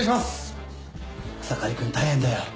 草刈君大変だよ。